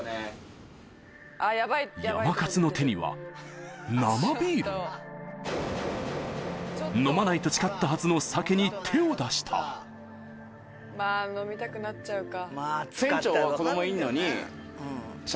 やまかつの手には生ビール飲まないと誓ったはずのまぁ飲みたくなっちゃうか。